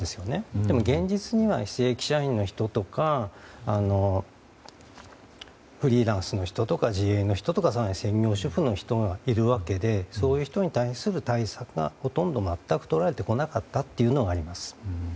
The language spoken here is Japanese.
でも現実には非正規社員の人とかフリーランスの人、自営の人専業主婦の人がいるわけでそういう人に対する対策がほとんど全くとられてこなかったということがあります。